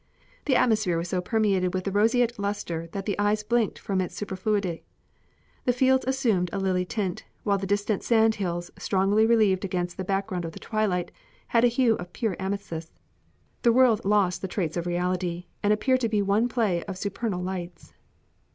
The atmosphere was so permeated with the roseate luster that the eyes blinked from its superfluity. The fields assumed a lily tint, while the distant sand hills, strongly relieved against the background of the twilight, had a hue of pure amethyst. The world lost the traits of reality and appeared to be one play of supernal lights.